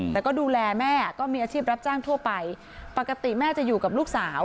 แต่ก็ดูแลแม่ก็มีอาชีพรับจ้างทั่วไปปกติแม่จะอยู่กับลูกสาว